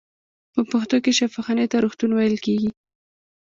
په پښتو کې شفاخانې ته روغتون ویل کیږی.